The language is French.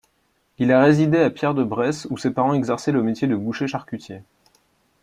Il a résidé à Pierre-de-Bresse, où ses parents exerçaient le métier de boucher charcutier.